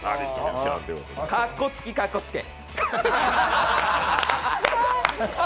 かっこつき、かっこつけ。